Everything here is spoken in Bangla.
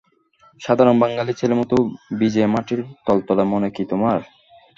সাধারণ বাঙালি ছেলের মতো ভিজে মাটির তলতলে মন কি তোমার।